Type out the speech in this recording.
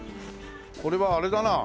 これはあれだな。